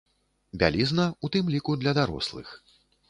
Бялізна, у тым ліку, для дарослых.